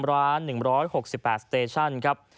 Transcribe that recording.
ร้าน๑๖๘สเตชั่นครับ